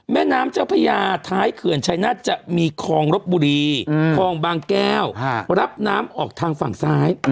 แม่น้ำเจ้าพญาท้ายเขื่อนชายนาฏจะมีคลองรบบุรีคลองบางแก้วรับน้ำออกทางฝั่งซ้าย